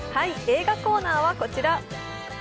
映画コーナーはこちら。